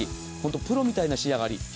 プロみたいな仕上がり。